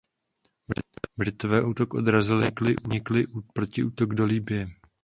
Britové útok odrazili a podnikli protiútok do Libye.